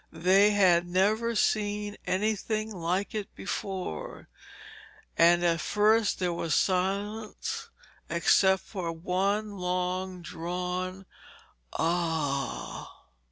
They had never seen anything like it before, and at first there was silence except for one long drawn 'ah h.'